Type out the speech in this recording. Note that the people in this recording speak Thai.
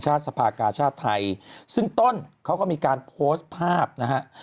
สภากาชาติไทยซึ่งต้นเขาก็มีการโพสต์ภาพนะฮะ